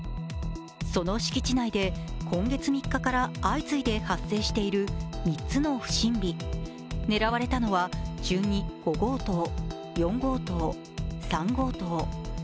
その敷地内で今月３日から相次いで発生している３つの不審火狙われたのは、順に５号棟、４号棟、３号棟。